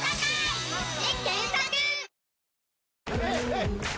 はい！